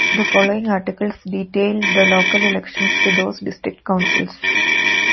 The following articles detail the local elections to those district councils.